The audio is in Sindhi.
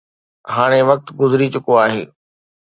هاڻي وقت گذري چڪو آهي.